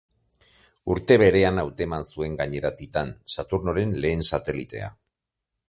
Urte berean hauteman zuen gainera Titan, Saturnoren lehen satelitea.